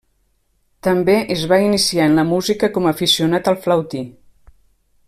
També, es va iniciar en la música com aficionat al flautí.